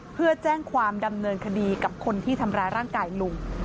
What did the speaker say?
เพื่อแจ้งความดำเนินคดีกับคนที่ทำร้ายร่างกายลุง